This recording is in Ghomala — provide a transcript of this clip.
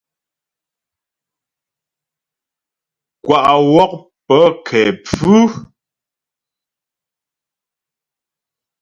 Kwa' wɔ' pə kɛ pfʉ.